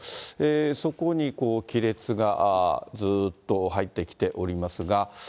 そこに亀裂がずっと入ってきておりますが。